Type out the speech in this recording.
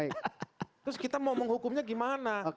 terus kita mau menghukumnya gimana